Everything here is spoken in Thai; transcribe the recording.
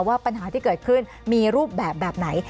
ว่าปัญหาที่เกิดขึ้นมีรูปแบบแบบไหน